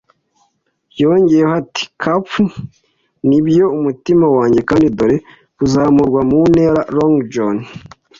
yongeyeho ati: “Cap'n, nibyo? Umutima wanjye, kandi dore kuzamurwa mu ntera! ” Long John